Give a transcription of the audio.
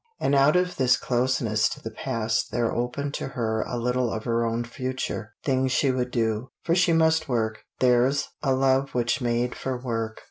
And out of this closeness to the past there opened to her a little of her own future things she would do. For she must work, theirs a love which made for work.